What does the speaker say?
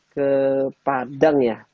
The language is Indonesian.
ke padang ya